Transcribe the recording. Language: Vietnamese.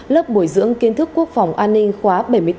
lớp bồi dưỡng kiến thức quốc phòng an ninh khóa bảy mươi bốn